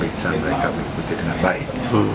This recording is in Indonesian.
bisa mereka mengikuti dengan baik